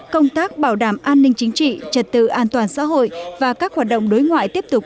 công tác bảo đảm an ninh chính trị trật tự an toàn xã hội và các hoạt động đối ngoại tiếp tục